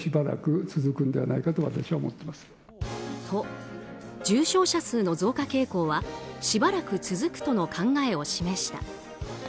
と、重症者数の増加傾向はしばらく続くとの考えを示した。